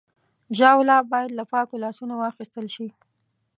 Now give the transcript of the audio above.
ژاوله باید له پاکو لاسونو واخیستل شي.